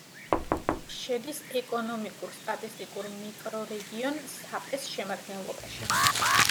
შედის ეკონომიკურ-სტატისტიკურ მიკრორეგიონ საპეს შემადგენლობაში.